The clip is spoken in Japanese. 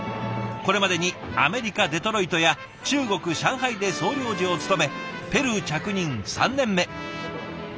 これまでにアメリカ・デトロイトや中国・上海で総領事を務めペルー着任３年目。